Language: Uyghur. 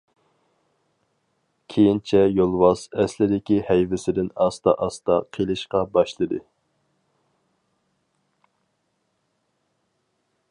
كېيىنچە يولۋاس ئەسلىدىكى ھەيۋىسىدىن ئاستا ئاستا قېلىشقا باشلىدى.